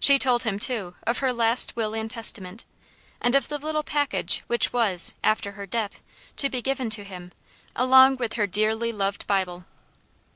She told him, too, of her last will and testament, and of the little package which was, after her death, to be given to him, along with her dearly loved Bible.